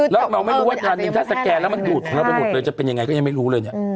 แล้วเราไม่รู้ว่าจานนึงถ้าสแกนแล้วมันดูดของเราไปหมดเลยจะเป็นยังไงก็ยังไม่รู้เลยเนี่ย